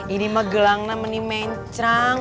ini mah gelang namanya mencang